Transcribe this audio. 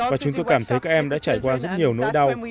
và chúng tôi cảm thấy các em đã trải qua rất nhiều nỗi đau